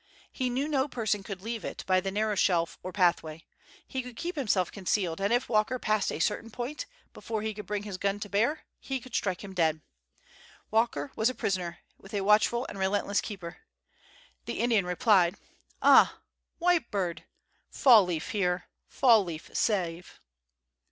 He knew no person could leave it by the narrow shelf or pathway. He could keep himself concealed, and if Walker passed a certain point, before he could bring his gun to bear, he could strike him dead. Walker was a prisoner, with a watchful and relentless keeper. The Indian replied: "Ah, White Bird! Fall leaf here! Fall leaf save!"